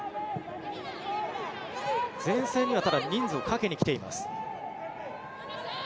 ただ、前線には人数をかけに来ています。